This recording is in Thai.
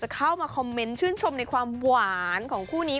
เข้ามาคอมเมนต์ชื่นชมในความหวานของคู่นี้